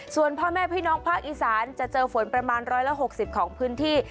ส่วนพ่อแม่พี่น้องภาคอีสานจะเจอฝนประมาณ๑๖๐ของพื้นที่